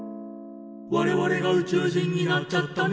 「我々が宇宙人になっちゃったね」